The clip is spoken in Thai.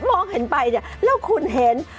มองเห็นไปเนี่ยแล้วคุณเห็น